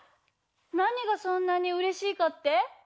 なにがそんなにうれしいかって？